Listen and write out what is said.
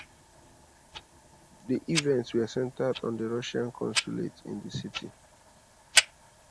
The events were centered on the Russian consulate in the city.